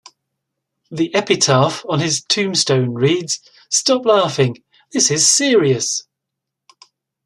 The epitaph on his tombstone reads, 'Stop laughing, this is serious'.